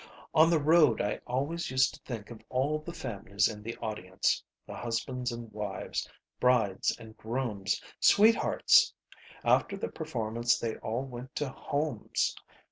On the road I always used to think of all the families in the audience. The husbands and wives. Brides and grooms. Sweethearts. After the performance they all went to homes.